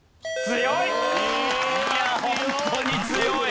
強い。